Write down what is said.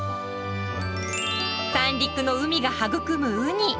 三陸の海が育むウニ。